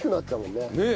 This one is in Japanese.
ねえ。